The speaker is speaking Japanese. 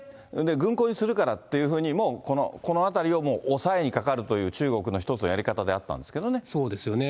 軍港にするからっていうふうに、もう、このあたりをもう押さえにかかるという中国の一つのやり方であっそうですよね。